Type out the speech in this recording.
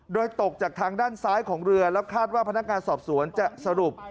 โดยตกจากทางด้านซ้ายของเรือแล้วคาดว่าพนักงานสอบสวนจะสรุป